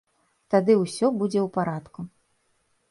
Тады ўсё будзе ў парадку.